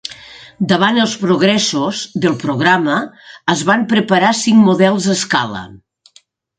Davant els progressos del programa, es van preparar cinc models a escala.